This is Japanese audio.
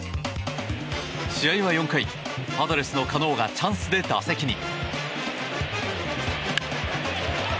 試合は４回、パドレスのカノがチャンスで打席に。